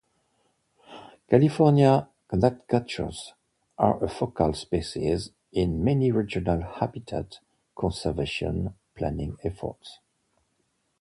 California gnatcatchers are a focal species in many regional habitat conservation planning efforts.